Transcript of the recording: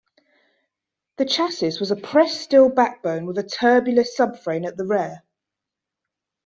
The chassis was a pressed steel backbone with a tubular subframe at the rear.